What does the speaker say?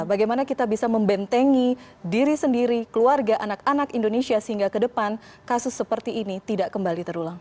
bagaimana kita bisa membentengi diri sendiri keluarga anak anak indonesia sehingga ke depan kasus seperti ini tidak kembali terulang